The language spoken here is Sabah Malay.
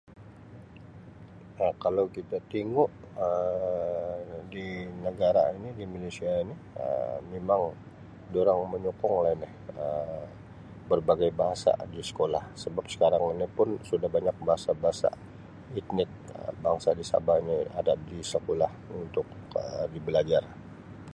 Um Kalau kita tingu Um di negara ini di Malaysia ini Um memang durang menyokong lah ni Um berbagai bangsa di sekolah sebab sekarang ini pun sudah banyak bahasa-bahasa, nikmat bangsa di Sabah ini ada di sekolah untuk dibelajar.